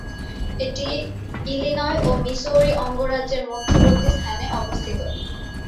এটি ইলিনয় ও মিসৌরি অঙ্গরাজ্যের মধ্যবর্তী স্থানে অবস্থিত।